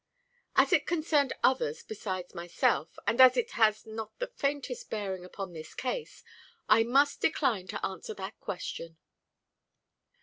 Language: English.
"As it concerned others besides myself, and as it has not the faintest bearing upon this case, I must decline to answer that question."